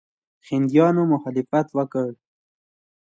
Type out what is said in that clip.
هندیانو مخالفت وکړ.